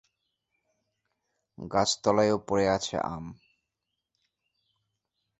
গাছতলায়ও পড়ে আছে আম।